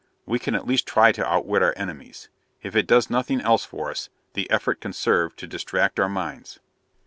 We can at least try to outwit our enemies. If it does nothing else for us, the effort can serve to distract our minds."